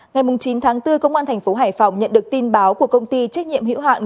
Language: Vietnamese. ngày chín tháng bốn công an thành phố hải phòng nhận được tin báo của công ty trách nhiệm hữu hạn